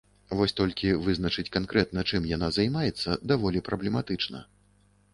Вось толькі вызначыць канкрэтна, чым яна займаецца, даволі праблематычна.